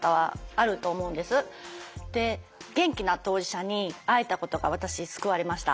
で元気な当事者に会えたことが私救われました。